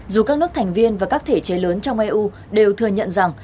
dù các nước thành viên và các thể chế lớn trong eu đều thừa nhận rằng